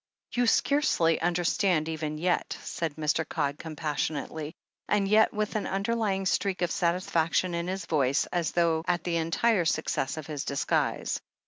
"You scarcely understand, even yet," said Mr. Codd compassionately, and yet with an underlying streak of satisfaction in his voice, as though at the entire success of his disguise.